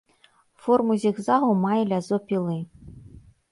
Форму зігзагу мае лязо пілы.